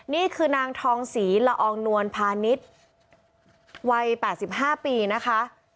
นี่คือนางทองศรีละอองนวลพาณิชย์วัย๘๕ปีนะคะ